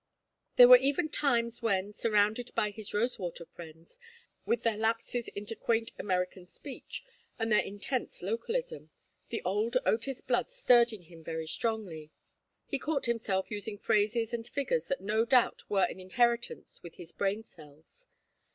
There were even times when, surrounded by his Rosewater friends, with their lapses into quaint American speech and their intense localism, the old Otis blood stirred in him very strongly; he caught himself using phrases and figures that no doubt were an inheritance with his brain cells.